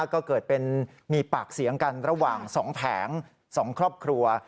ก็เกิดเป็นมีปากเสียงกันระหว่าง๒แผง๒ครอบครัว